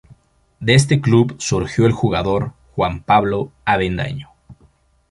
De este club surgió el jugador Juan Pablo Avendaño.